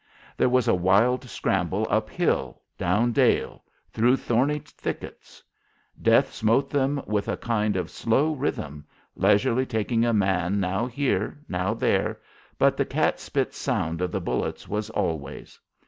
There was a wild scramble up hill, down dale, through thorny thickets. Death smote them with a kind of slow rhythm, leisurely taking a man now here, now there, but the cat spit sound of the bullets was always.